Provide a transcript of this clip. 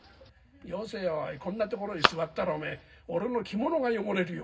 「よせよおいこんなところへ座ったら俺の着物が汚れるよ。